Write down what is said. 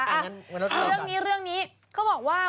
อันนั้นไปรถเริ่มกันเรื่องนี้เขาบอกว่า